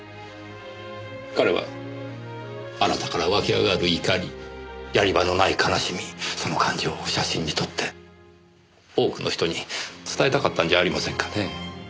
彼はあなたから湧き上がる怒りやり場のない悲しみその感情を写真に撮って多くの人に伝えたかったんじゃありませんかねぇ。